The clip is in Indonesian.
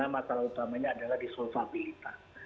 masalah utamanya adalah disolfabilitas